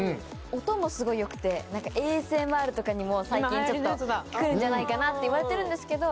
音もすごい良くてＡＳＭＲとかにも最近ちょっと来るんじゃないかなっていわれてるんですけど。